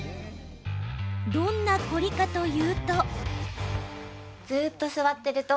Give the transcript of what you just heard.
どんな凝りかというと。